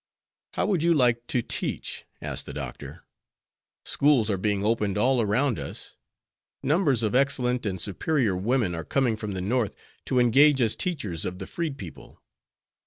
"How would you like to teach?" asked the Doctor. "Schools are being opened all around us. Numbers of excellent and superior women are coming from the North to engage as teachers of the freed people.